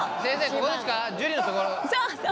ここですか？